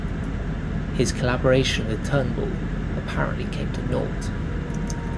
His collaboration with Turnbull apparently came to naught.